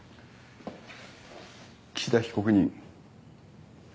岸田被告人。